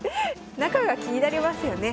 中が気になりますよね。